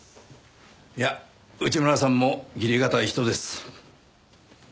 いや内村さんも義理堅い人です。